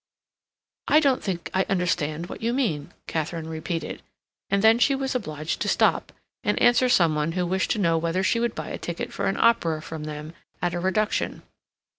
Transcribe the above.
"I don't think I understand what you mean," Katharine repeated, and then she was obliged to stop and answer some one who wished to know whether she would buy a ticket for an opera from them, at a reduction.